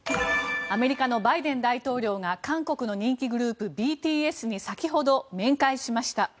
アメリカのバイデン大統領が韓国の人気グループ、ＢＴＳに先ほど面会しました。